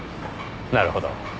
なるほど。